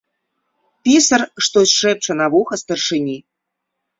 Пісар штось шэпча на вуха старшыні.